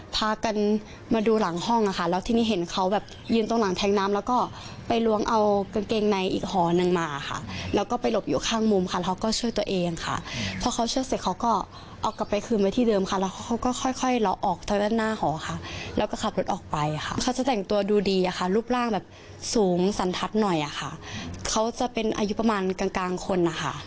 ตอนนี้เจ้าของหอพักต่างตอนนี้ถึงอายุประมาณกลางคน